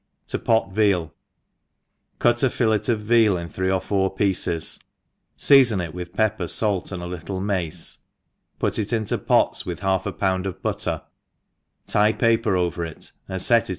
»•' To pot Veal. CUT a fillet of veal in three or four pieces, feafon it with pepper, fait, and a littlp mace, put it into pots with half a pound of butter, tie a paper oyer it, and fet it.